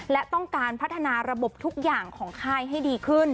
และต้องการพัฒนาระบบทุกอย่างของค่ายให้ดีขึ้น